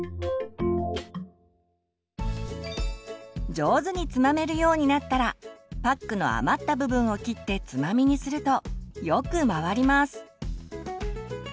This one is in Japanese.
上手につまめるようになったらパックの余った部分を切ってつまみにするとよく回ります。